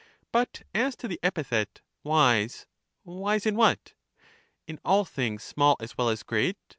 But as to the epithet " wise," — wise in what? In all things small as well as great?